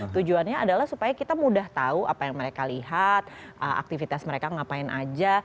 tujuannya adalah supaya kita mudah tahu apa yang mereka lihat aktivitas mereka ngapain aja